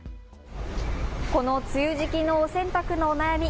この梅雨時期の洗濯の悩み